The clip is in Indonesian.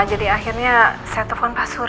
jadi akhirnya saya telepon pak surya